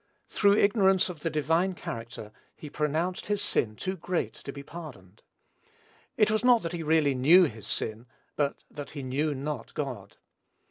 Through ignorance of the divine character, he pronounced his sin too great to be pardoned. It was not that he really knew his sin, but that he knew not God.